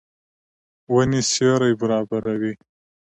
ونې سیوری برابروي.